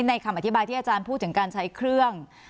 คำอธิบายที่อาจารย์พูดถึงการใช้เครื่อง